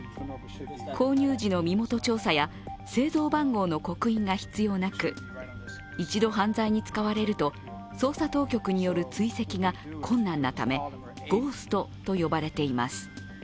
購入時の身元調査や製造番号の刻印が必要なく、一度犯罪に使われると捜査当局による追跡が困難なためゴーストと呼ばれています。